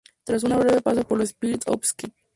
Tras un breve paso por los Spirits of St.